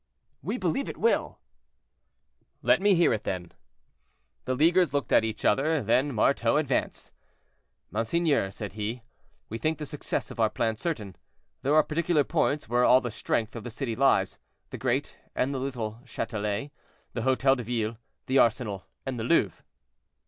"We believe it will." "Let me hear it, then." The leaguers looked at each other, then Marteau advanced. "Monseigneur," said he, "we think the success of our plan certain. There are particular points where all the strength of the city lies—the great and the little Chatelet, the Hotel de Ville, the arsenal and the Louvre."